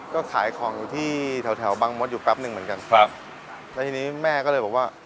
ก็ขายของอยู่ที่แถวแถวบางมดอยู่แป๊บหนึ่งเหมือนกันครับแล้วทีนี้แม่ก็เลยบอกว่า